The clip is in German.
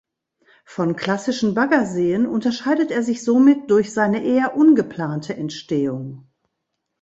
Von klassischen Baggerseen unterscheidet er sich somit durch seine eher ungeplante Entstehung.